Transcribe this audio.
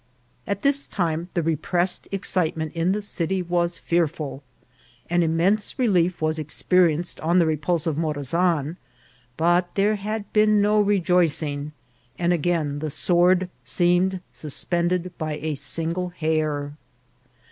At this time the repressed ex citement in the city was fearful. An immense relief was experienced on the repulse of Morazan, but there had been no rejoicing ; and again the sword seemed suspended by a single hair.